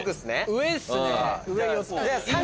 上っすね。